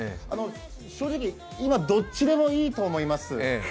正直、今、どっちでもいいと思います。